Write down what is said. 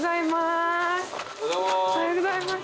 おはようございます！